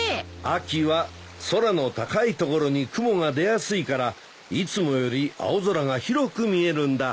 秋は空の高い所に雲が出やすいからいつもより青空が広く見えるんだ。